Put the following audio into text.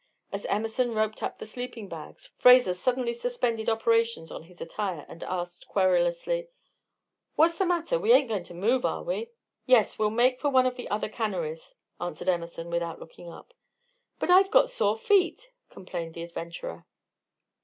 As Emerson roped up the sleeping bags, Fraser suddenly suspended operations on his attire, and asked, querulously: "What's the matter? We ain't goin' to move, are we?" "Yes. We'll make for one of the other canneries," answered Emerson, without looking up. "But I've got sore feet," complained the adventurer.